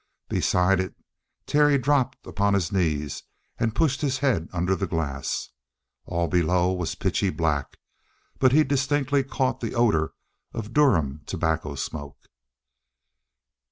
Beside it Terry dropped upon his knees and pushed his head under the glass. All below was pitchy black, but he distinctly caught the odor of Durham tobacco smoke.